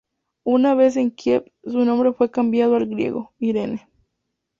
Una vez en Kiev, su nombre fue cambiado al griego "Irene".